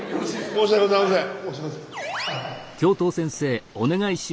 申し訳ございません。